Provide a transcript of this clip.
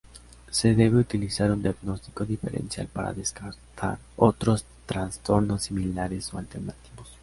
Se debe utilizar un diagnóstico diferencial para descartar otros trastornos similares o alternativos.